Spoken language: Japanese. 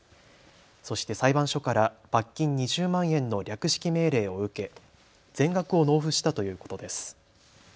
そして裁判所から罰金２０万円の略式命令を受け全額を納付したということです。